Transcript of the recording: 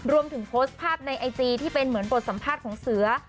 โพสต์ภาพในไอจีที่เป็นเหมือนบทสัมภาษณ์ของเสือ